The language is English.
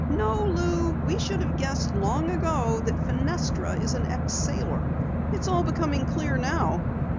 No, Lou, we should have guessed long ago that Fenestra is an ex sailor. It's all becoming clear now."